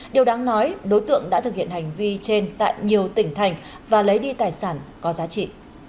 điều đáng nói đối tượng đã thực hiện hành vi trên tại nhiều tỉnh thành và lấy đi tài sản có giá trị